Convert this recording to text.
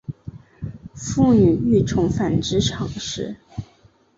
妇女欲重返职场时